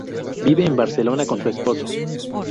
Vive en Barcelona con su esposo.